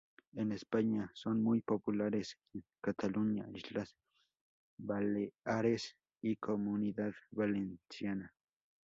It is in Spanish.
En España son muy populares en Cataluña, Islas Baleares y Comunidad Valenciana.